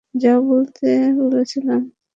যা বলতে বলছিলাম?